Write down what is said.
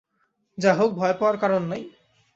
যা হোক, ভয় পাওয়ার কারণ নেই।